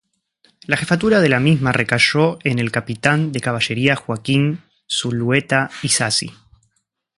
La jefatura de la misma recayó en el capitán de caballería Joaquín Zulueta Isasi.